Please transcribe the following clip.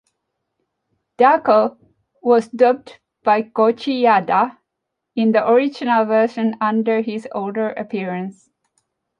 Dohko was dubbed by Kōji Yada in the original version under his older appearance.